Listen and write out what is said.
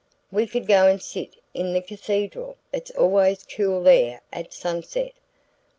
"We could go and sit in the cathedral it's always cool there at sunset."